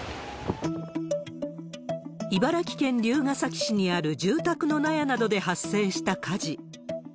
茨城県龍ケ崎市にある住宅の納屋などで発生した火事。